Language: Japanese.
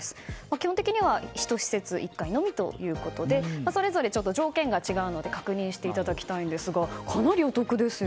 基本的には１施設１回のみということでそれぞれ条件が違うので確認していただきたいんですがかなりお得ですよね。